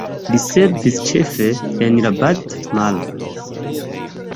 Li servis ĉefe en la Balta Maro.